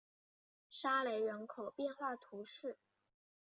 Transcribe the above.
沙雷人口变化图示